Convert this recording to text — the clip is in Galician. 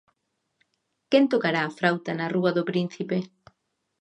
Quen tocará a frauta na rúa do Príncipe?